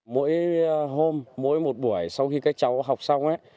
mỗi hôm mỗi một buổi sau khi các cháu học xong